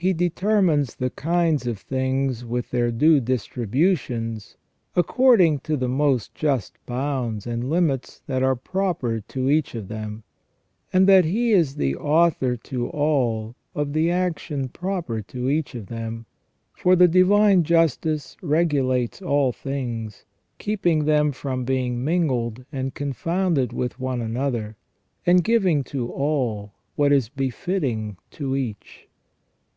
He determines the kinds of things with their due distributions, according to the most just bounds and limits that are proper to each of them ; and He is the Author to all of the action proper to each of them, for the Divine Justice regulates all things, keeping them from being mingled and confounded with one another, and giving to all what is befitting to each."